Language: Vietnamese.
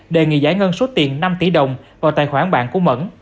đề nghị giải ngân số tiền năm tỷ đồng vào tài khoản bạn của mẫn